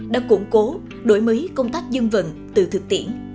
đã củng cố đổi mới công tác dân vận từ thực tiễn